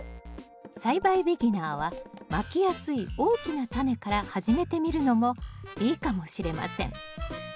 栽培ビギナーはまきやすい大きなタネから始めてみるのもいいかもしれません。